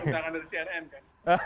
itu kan itu kan ada di crm kan